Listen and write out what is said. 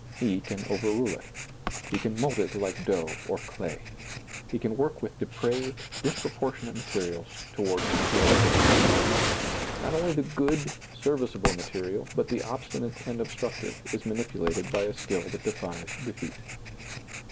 He can overrule it He can mold it like dough or clay. He can work with depraved, disproportionate materials toward super lative issues. Not only the good, serviceable material, but the obstinate and obstructive' is manipulated by a skill that defies defeat.